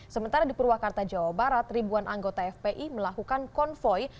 sementara di purwakarta jawa barat ribuan anggota fpi melakukan konvoy